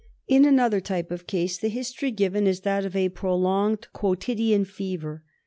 In another type of case the history given is that of ai prolonged quotidian fever.